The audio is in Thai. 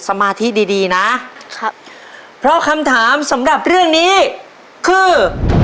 สมาธิดีดีนะครับเพราะคำถามสำหรับเรื่องนี้คือ